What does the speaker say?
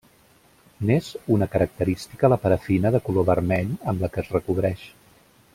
N'és una característica la parafina de color vermell amb la que es recobreix.